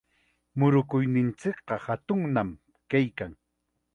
Murukuyninchikqa hatunnam kaykan.